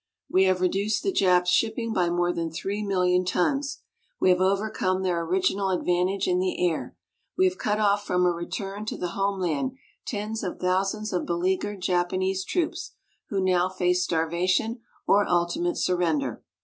We have reduced the Japs' shipping by more than three million tons. We have overcome their original advantage in the air. We have cut off from a return to the homeland tens of thousands of beleaguered Japanese troops who now face starvation or ultimate surrender.